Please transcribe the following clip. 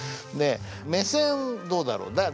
で目線どうだろう？